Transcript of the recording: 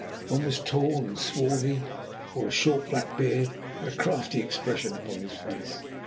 One was tall and swarthy, wore a short black beard, and had a crafty expression upon his face.